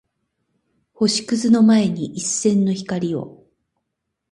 星屑の前に一閃の光を